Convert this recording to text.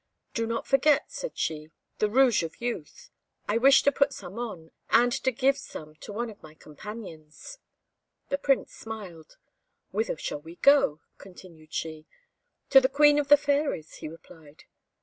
"Do not forget," said she, "the Rouge of Youth; I wish to put some on, and to give some to one of my companions." The Prince smiled. "Whither shall we go?" continued she. "To the Queen of the Fairies," he replied.